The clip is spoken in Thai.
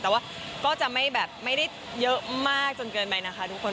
แต่ว่าก็จะไม่แบบไม่ได้เยอะมากจนเกินไปนะคะทุกคน